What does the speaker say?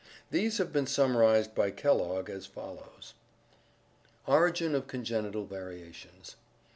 These have been summarized by Kellogg as follows: Origin of Congenital Variations.